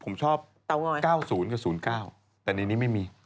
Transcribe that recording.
ผมชอบ๙๐กับ๐๙แต่ในนี้ไม่มี